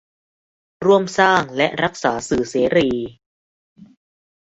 ร่วมสร้างและรักษาสื่อเสรี